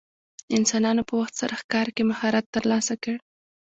انسانانو په وخت سره ښکار کې مهارت ترلاسه کړ.